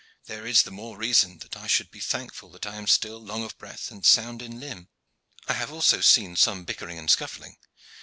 There is the more reason that I should be thankful that I am still long of breath and sound in limb. I have also seen some bickering and scuffling.